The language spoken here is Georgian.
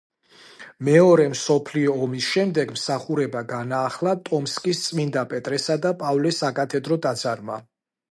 მეორე მსოფლიო ომის შემდეგ მსახურება განაახლა ტომსკის წმინდა პეტრესა და პავლეს საკათედრო ტაძარმა.